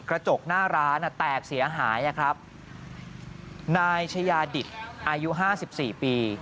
กระจกหน้าร้านแตกเสียหายนายชยาดิตอายุ๕๔ปี